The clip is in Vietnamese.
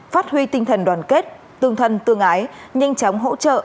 phát huy tinh thần đoàn kết tương thân tương ái nhanh chóng hỗ trợ